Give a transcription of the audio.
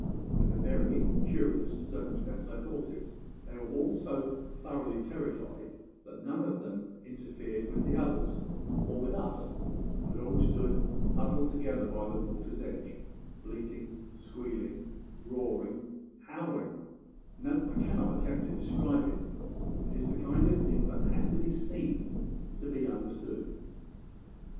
And a very curious circumstance I thought it they were all so thoroughly terrified that none of them interfered with the others, or with us, but all stood huddled together by the water's edge, bleating, squealing, roaring, howling no, I cannot attempt to describe it; it is the kind of thing that has to be seen to be understood.